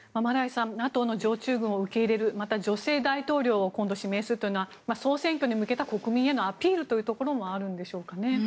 ＮＡＴＯの常駐軍を受け入れる、また女性大統領を今度指名するというのは総選挙に向けた国民へのアピールというところもあるんでしょうかね。